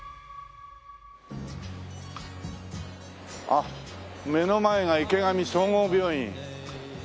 あっ目の前が池上総合病院。